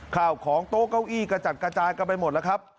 ข่าวของโต๊ะเก้าอี้กระจัดกระจายกันไปหมดแล้วครับ